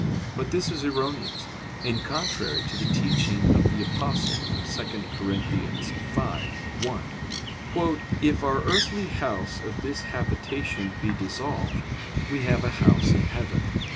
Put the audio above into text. But this is erroneous, and contrary to the teaching of the Apostle (2 Cor. 5:1): "If our earthly house of this habitation be dissolved, we have a house in heaven."